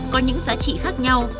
có những giá trị khác nhau